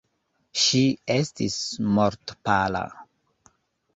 Ŝi estis mortpala.